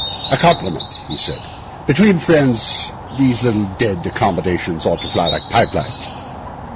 'A compliment,' he said. 'Between friends these little d d accommodations ought to fly like pipe lights.